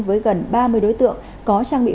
với gần ba mươi đối tượng có trang bị